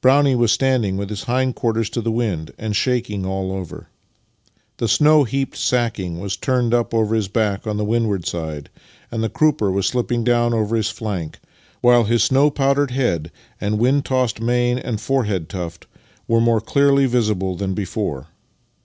Brownie was standing with his hindquarters to the wind, and shaking all over. The snow heaped sacking was turned up over his back on the windward side, and the crupper was slipping down over his flank, while his snow powdered head and wind tossed mane and forehead tuft were more clearly visible than before.